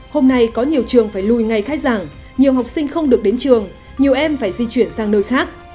hôm nay có nhiều trường phải lùi ngày khai giảng nhiều học sinh không được đến trường nhiều em phải di chuyển sang nơi khác